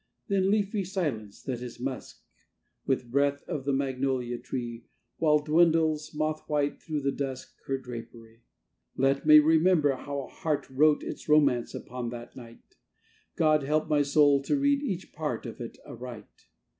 Then leafy silence, that is musk With breath of the magnolia tree, While dwindles, moth white, through the dusk Her drapery. Let me remember how a heart Wrote its romance upon that night! God help my soul to read each part Of it aright!